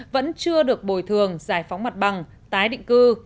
vẫn chưa được bồi thường giải phóng mặt bằng tái định cư